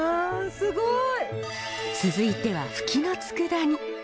続いてはフキのつくだ煮。